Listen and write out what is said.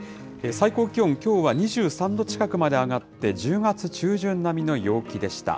最高気温きょうは２３度近くまで上がって、１０月中旬並みの陽気でした。